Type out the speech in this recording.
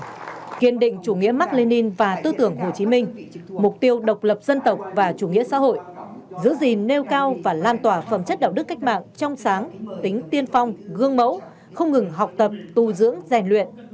đồng chí nguyễn phú trọng kiên định chủ nghĩa mạc lê ninh và tư tưởng hồ chí minh mục tiêu độc lập dân tộc và chủ nghĩa xã hội giữ gìn nêu cao và lan tỏa phẩm chất đạo đức cách mạng trong sáng tính tiên phong gương mẫu không ngừng học tập tu dưỡng rèn luyện